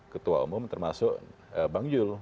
ketua umum termasuk bang jul